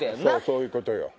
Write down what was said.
そういうことよ。